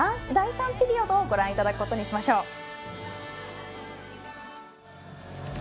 第３ピリオドをご覧いただくことにしましょう。